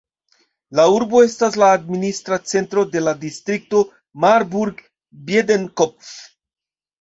La urbo estas la administra centro de la distrikto Marburg-Biedenkopf.